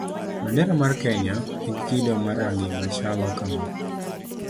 Bandera mar kenya nigi kido mar rangi machalo kamaa: